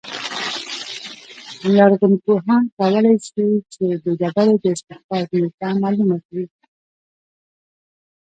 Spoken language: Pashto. لرغونپوهان کولای شي چې د ډبرې د استخراج نېټه معلومه کړي